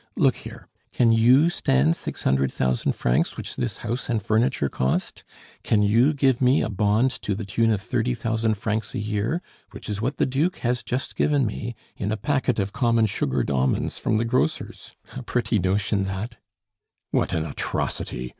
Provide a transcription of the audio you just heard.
"Look here; can you stand six hundred thousand francs which this house and furniture cost? Can you give me a bond to the tune of thirty thousand francs a year, which is what the Duke has just given me in a packet of common sugared almonds from the grocer's? a pretty notion that " "What an atrocity!"